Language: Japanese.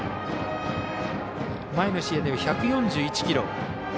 前の試合では１４１キロ。